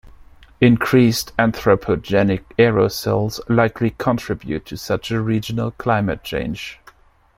Increased anthropogenic aerosols likely contributed to such a regional climate change.